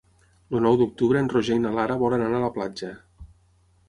El nou d'octubre en Roger i na Lara volen anar a la platja.